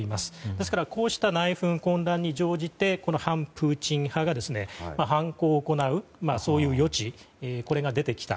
ですから、こうした内紛、混乱に乗じて反プーチン派が犯行を行うそういう余地が出てきた。